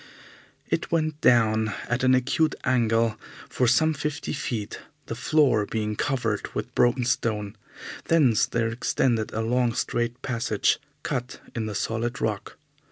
It went down at an acute angle for some fifty feet, the floor being covered with broken stone. Thence there extended a long, straight passage cut in the solid rock.